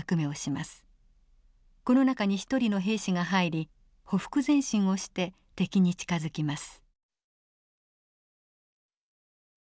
この中に１人の兵士が入りほふく前進をして敵に近づきます。